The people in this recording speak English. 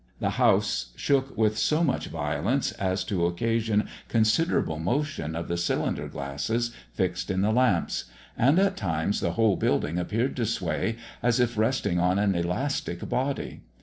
The house shook with so much violence as to occasion considerable motion of the cylinder glasses fixed in the lamps; and at times the whole building appeared to sway as if resting on an elastic body.